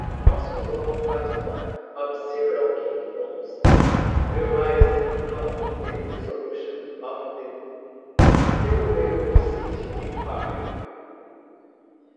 Osroene was one of several kingdoms arising from the dissolution of the Seleucid Empire.